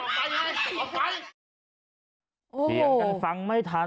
กลับมาพร้อมขอบความ